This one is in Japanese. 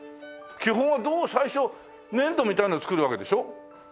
基本はどう最初粘土みたいなの作るわけでしょ？